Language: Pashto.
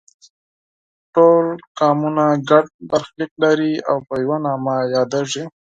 ټول قومونه ګډ برخلیک لري او په یوه نامه یادیږي.